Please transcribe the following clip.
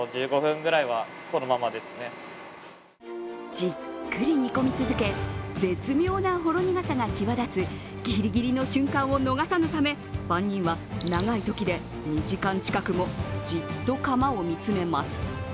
じっくり煮込み続け絶妙なほろ苦さが際立つギリギリの瞬間を逃さぬため番人は長いときで２時間近くもじっと窯を見つめます。